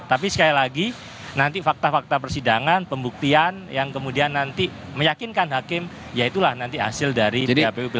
tapi sekali lagi nanti fakta fakta persidangan pembuktian yang kemudian nanti meyakinkan hakim ya itulah nanti hasil dari dpp